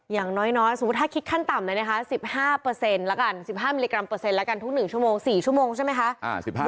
อย่างน้อยสมมุติว่าถ้าคิดขั้นต่ำเลย๑๕มิลลิกรัมเปอร์เซ็นต์ทุก๑ชั่วโมง๔ชั่วโมงใช่ไหม